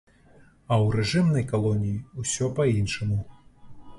А ў рэжымнай калоніі усё па-іншаму.